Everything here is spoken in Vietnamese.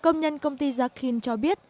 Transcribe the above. công nhân công ty gia khin cho biết